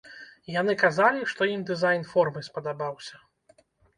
Яны казалі, што ім дызайн формы спадабаўся.